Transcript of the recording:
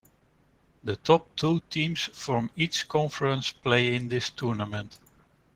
The top two teams from each Conference play in this tournament.